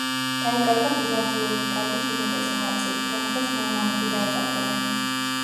დაიკარგა ბიზანტიური იტალიის უმეტესი ნაწილი, რომელსაც ნორმანები დაეპატრონენ.